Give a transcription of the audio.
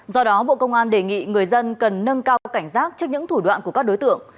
do đó bộ công an đề nghị người dân cần nâng cao cảnh giác trước những thủ đoạn của các đối tượng